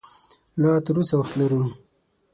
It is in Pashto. لا تراوسه وخت لرو